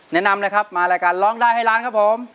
แนะนำเลยครับมารายการร้องได้ให้ล้านครับผม